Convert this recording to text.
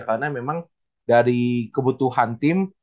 karena memang dari kebutuhan tim